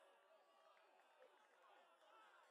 Garai hartako lehen lanak, baina, ez dira ongi ezagutzen.